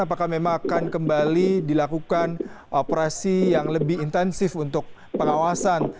apakah memang akan kembali dilakukan operasi yang lebih intensif untuk pengawasan